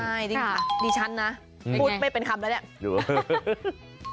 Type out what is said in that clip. ใช่ดิฉันนะพูดไม่เป็นคำแล้วเนี่ย